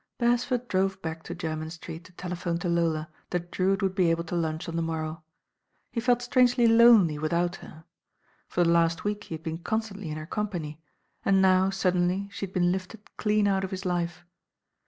Beresford drove back to Jermyn Street to tele phone to Lola that Drewitt would be able to lunch on the morrow. He felt strangely lonely without her. For the last week he had been constantly in her company, and now suddenly she had been lifted dean out of his life.